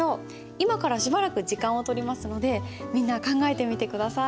今からしばらく時間を取りますのでみんな考えてみて下さい。